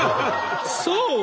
そう！